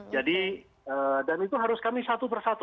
jadi dan itu harus kami satu persatu